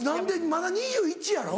まだ２１歳やろ？